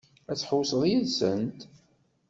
Ad tḥewwseḍ yid-sent?